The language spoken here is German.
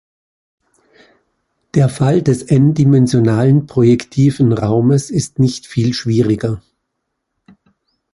Der Fall des "n"-dimensionalen projektiven Raumes ist nicht viel schwieriger.